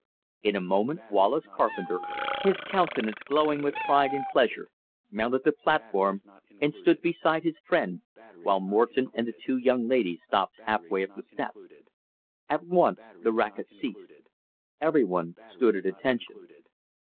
In a moment Wallace Carpenter, his countenance glowing with pride and pleasure, mounted the platform and stood beside his friend, while Morton and the two young ladies stopped half way up the steps. At once the racket ceased. Everyone stood at attention.